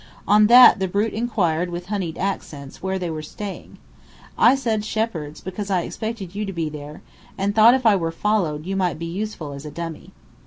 On that, the brute inquired with honeyed accents where they were staying. I said Shepheard's, because I expected you to be there, and thought if I were followed, you might be useful as a dummy."